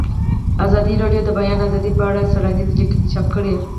ازادي راډیو د د بیان آزادي په اړه څېړنیزې لیکنې چاپ کړي.